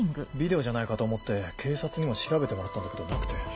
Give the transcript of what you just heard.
ビデオじゃないかと思って警察にも調べてもらったんだけどなくて。